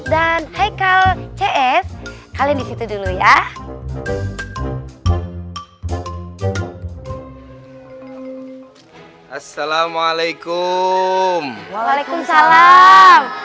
dan heikal cs kalian disitu dulu ya assalamualaikum waalaikumsalam